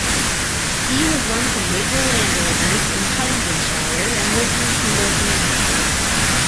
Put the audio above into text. He was one of the major landowners in Huntingdonshire and lived at Kimbolton Castle.